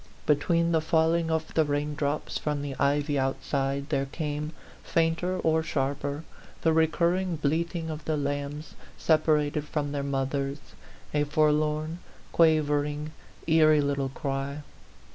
Between the falling of the raindrops from the ivy outside there came, fainter or sharper, the recurring bleating of the lambs separated from their mothers, a forlorn, quavering, eerie little cry.